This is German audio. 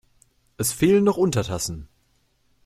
Es fehlen noch Untertassen.